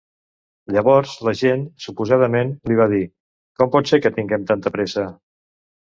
Llavors l’agent, suposadament, li va dir: Com pot ser que tinguen tanta pressa?